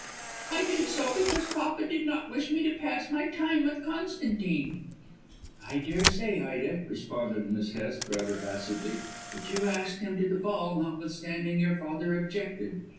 "I did so because papa did not wish me to pass my time with Constantine." "I daresay, Ida," responded Miss Hest rather acidly, "but you asked him to the ball notwithstanding your father objected.